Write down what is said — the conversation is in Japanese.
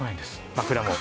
枕も。